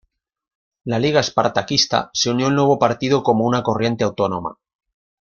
La Liga Espartaquista se unió al nuevo partido como una corriente autónoma.